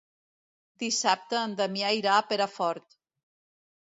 Dissabte en Damià irà a Perafort.